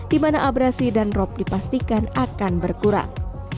di mana abrasi dan rop dipastikan akan berkurang